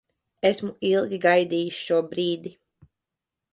Esmu ilgi gaidījis šo brīdi.